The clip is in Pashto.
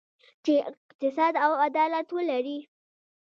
چې اقتصاد او عدالت ولري.